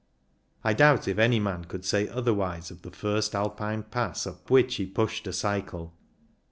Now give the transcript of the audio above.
I doubt if any man could say otherwise of the first Alpine pass up which he pushed a cycle.